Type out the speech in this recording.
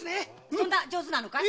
そんな上手なのかい？